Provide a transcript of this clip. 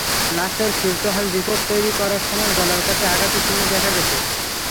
লাশের সুরতহাল রিপোর্ট তৈরি করার সময় গলার কাছে আঘাতের চিহ্ন দেখা গেছে।